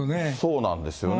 そうなんですよね。